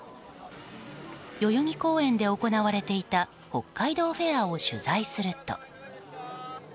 代々木公園で行われていた北海道フェアを取材すると。